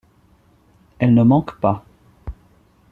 Elles ne manquent pas.